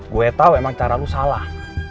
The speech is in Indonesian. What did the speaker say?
gue tau emang cara lo salah